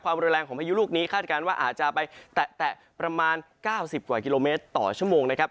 รุนแรงของพายุลูกนี้คาดการณ์ว่าอาจจะไปแตะประมาณ๙๐กว่ากิโลเมตรต่อชั่วโมงนะครับ